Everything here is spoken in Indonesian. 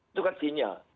itu kan final